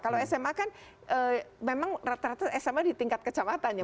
kalau sma kan memang rata rata sma di tingkat kecamatan ya